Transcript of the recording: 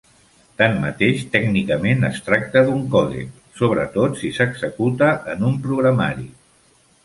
Tanmateix, tècnicament es tracta d'un còdec, sobretot si s'executa en un programari.